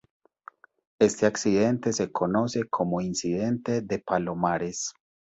Este accidente se conoce como Incidente de Palomares.